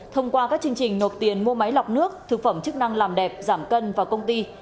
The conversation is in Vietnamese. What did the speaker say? thông qua các chương trình nộp tiền mua máy lọc nước thực phẩm chức năng làm đẹp giảm cân vào công ty